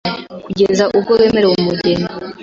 kugeza ubwo bemerewe umugeni.